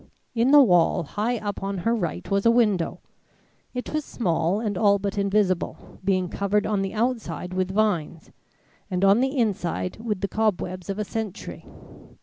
In the wall high up on her right was a window. It was small and all but invisible, being covered on the outside with vines, and on the inside with the cobwebs of a century.